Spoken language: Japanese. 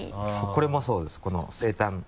これもそうですこの生誕。